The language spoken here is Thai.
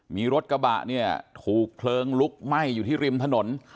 มีรถกระบะเนี่ยถูกเพลิงลุกไหม้อยู่ที่ริมถนน